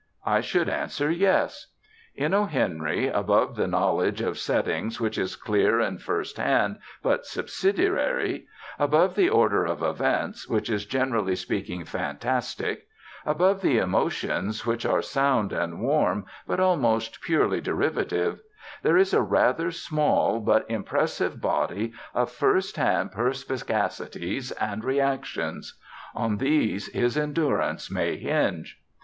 I should answer, yes. In O. Henry, above the knowledge of setting, which is clear and first hand, but subsidiary, above the order of events, which is, generally speaking, fantastic, above the emotions, which are sound and warm, but almost purely derivative, there is a rather small, but impressive body of first hand perspicacities and reactions. On these his endurance may hinge.